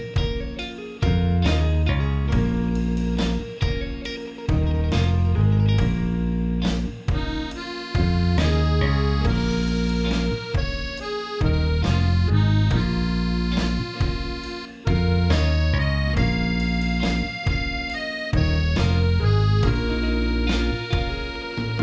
สวัสดีครับทุกคน